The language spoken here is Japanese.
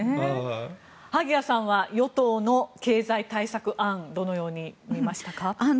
萩谷さんは与党の経済対策案どのように見ましたか？